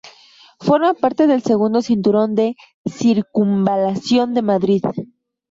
Forma parte del segundo cinturón de circunvalación de Madrid.